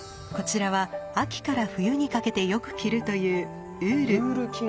こちらは秋から冬にかけてよく着るというウール。